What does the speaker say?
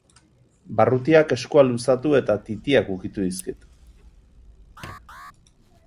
Barrutiak eskua luzatu eta titiak ukitu dizkit.